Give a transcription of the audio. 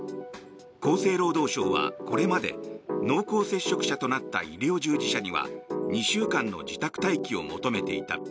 厚生労働省はこれまで濃厚接触者となった医療従事者には２週間の自宅待機を求めていた。